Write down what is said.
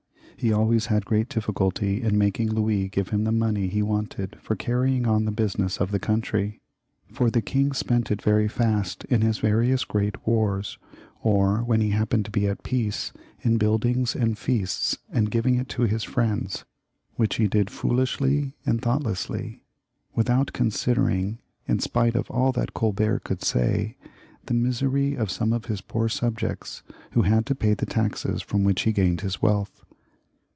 He always had great difficulty in making Louis give him the money he wanted for carrying on the business of the country, for the king spent it very fast in his various great wars, or when he happened to be at peace, in buildings and feasts, and giving it to his friends, which he did foolishly and thoughtlessly, without considering, in spite of all that Colbert could say, the misery of some of his poor subjects who had to pay the taxes from which he gained his wealth.